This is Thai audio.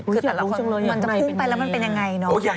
คือแต่ละคนมันจะพุ่งไปแล้วมันเป็นยังไงเนาะ